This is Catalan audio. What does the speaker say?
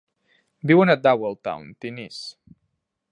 Viuen a Dowelltown, Tennessee.